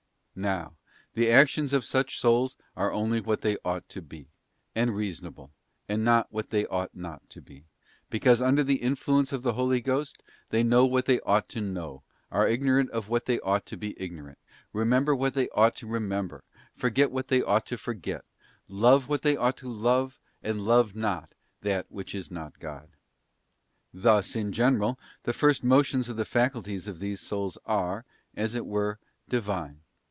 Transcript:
Now, the actions of such souls only are what they ought to be, and reasonable, and not what they ought not to be; because under the influence of the Holy Ghost they know what they ought to know, are ignorant of what they ought to be ignorant, remember what they ought to remember, forget what they ought to forget, love what they ought to love, and love not that which is not God, Thus in general the first motions of the faculties of these souls are, as it _ were, Divine.